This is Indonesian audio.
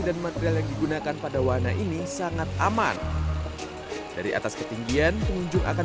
dan material yang digunakan pada warna ini sangat aman dari atas ketinggian pengunjung akan